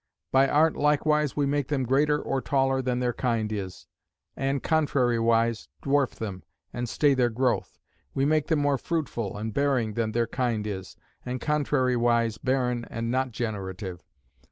By art likewise, we make them greater or taller than their kind is; and contrariwise dwarf them, and stay their growth: we make them more fruitful and bearing than their kind is; and contrariwise barren and not generative.